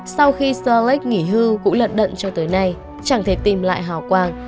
sau khi sir lake nghỉ hư cũng lận đận cho tới nay chẳng thể tìm lại hào quang